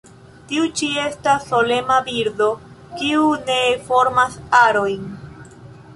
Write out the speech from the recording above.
Tiu ĉi estas solema birdo kiu ne formas arojn.